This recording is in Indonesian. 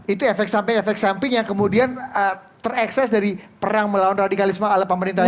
itu efek samping efek samping yang kemudian terekses dari perang melawan radikalisme ala pemerintahan